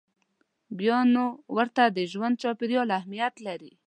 بیا نو نه ورته د ژوند چاپېریال اهمیت لري.